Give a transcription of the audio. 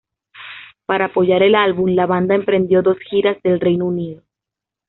Para apoyar el álbum, la banda emprendió dos giras del Reino Unido.